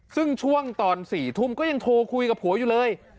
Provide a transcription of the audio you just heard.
ซึ่งช่วงตอน๔ทุ่มก็ยังโทรคุยกับผัวอยู่เลย